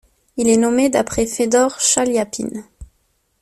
Il est nommé d'après Fédor Chaliapine.